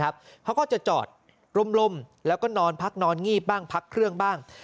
เขาก็จะจอดล่มแล้วก็นอนพักนอนงีบบ้างพักเครื่องบ้าง